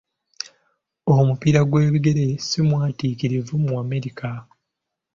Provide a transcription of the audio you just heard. Omupiira gw'ebigere simwatiikirivu mu Amerka.